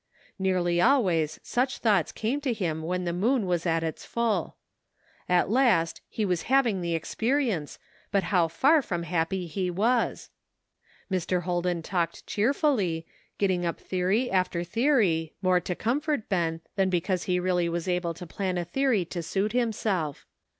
Nearly always such thoughts came to him when the moon was at its full. At last he wag having the experience, but how far from happy he was ! Mr. Holden talked cheerfully, getting up theory after theory, more to comfort Ben than because he really was able to plan a theory to suit himself.